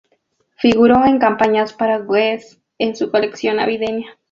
Figuró en campañas para Guess en su colección navideña.